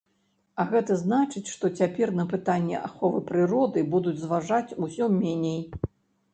А гэта значыць, што цяпер на пытанні аховы прыроды будуць зважаць усё меней.